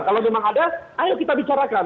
kalau memang ada ayo kita bicarakan